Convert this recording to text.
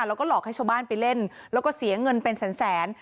แล้วก็หลอกให้ชาวบ้านไปเล่นแล้วก็เสียเงินเป็นแสน